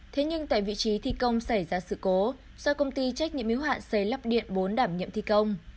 thế nhưng tại vị trí thi công xảy ra sự cố do công ty trách nhiệm yếu hạn xây lắp điện bốn đảm nhiệm thi công